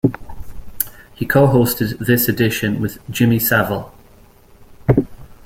He co-hosted this edition with Jimmy Savile.